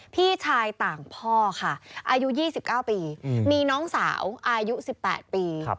พี่ชายต่างพ่อค่ะอายุ๒๙ปีมีน้องสาวอายุ๑๘ปี